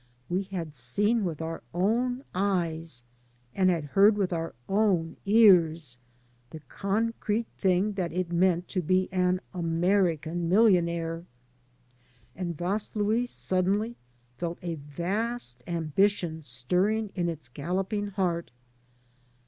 We had seen with our own eyes, and had heard with our own ears, the concrete thing that it meant to be an American millionaire, and Vaslui suddenly felt a vast ambition stirring in its galloping heart.